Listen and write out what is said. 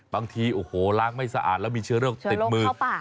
บางทีโอ้โหล้างไม่สะอาดแล้วมีเชื้อโรคติดมือ